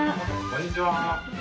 こんにちは。